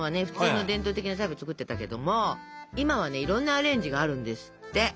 普通の伝統的なタイプを作ってたけども今はねいろんなアレンジがあるんですって。